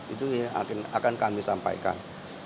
itu akan kami sampaikan